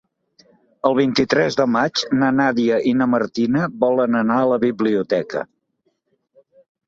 El vint-i-tres de maig na Nàdia i na Martina volen anar a la biblioteca.